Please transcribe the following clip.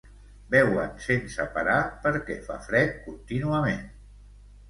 Beuen sense parar perquè fa fred contínuament.